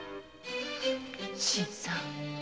新さん。